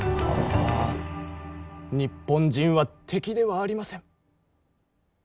日本人は敵ではありません。